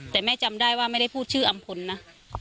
แต่แม่จำได้ว่าไม่ได้พูดชื่ออำพลนะ